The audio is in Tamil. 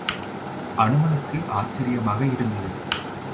அனுமனுக்கு ஆச்சிரியமாக இருந்தது.